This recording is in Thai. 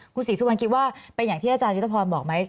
คุณศรีสุวรรณคิดว่าเป็นอย่างที่อาจารยุทธพรบอกไหม